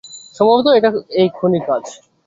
সম্ভবত এটা ওই খুনির কাজ।